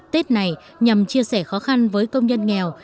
tết này nhằm chia sẻ khó khăn với công nhân nghèo